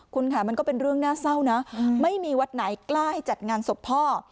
คุณค่ะมันก็เป็นเรื่องน่าเศร้านะไม่มีวัดไหนกล้าให้จัดงานศพพ่อ